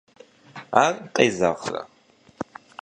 Ар къезэгърэ?